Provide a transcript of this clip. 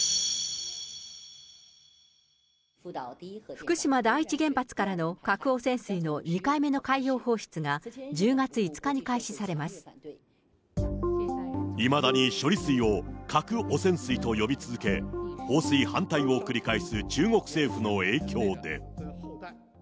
福島第一原発からの核汚染水の２回目の海洋放出が１０月５日いまだに処理水を核汚染水と呼び続け、放水反対を繰り返す中国政府の影響で。